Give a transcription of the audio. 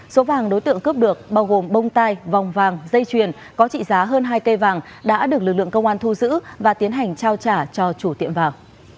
số vàng đối tượng cướp được bao gồm bông tai vòng vàng dây chuyền có trị giá hơn hai cây vàng đã được lực lượng công an thu giữ và tiến hành trao trả cho chủ tiệm vào